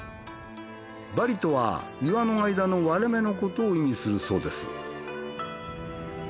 バリとは岩の間の割れ目のことを意味するそうです。